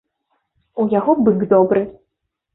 У яго бык добры.